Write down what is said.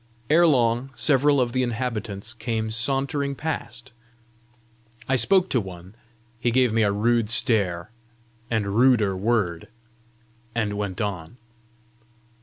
Ere long, several of the inhabitants came sauntering past. I spoke to one: he gave me a rude stare and ruder word, and went on.